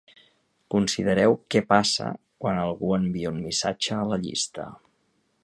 Considereu què passa quan algú envia un missatge a la llista.